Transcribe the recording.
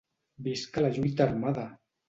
Visca la lluita armada!